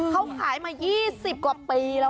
เขาขายมา๒๐กว่าปีแล้ว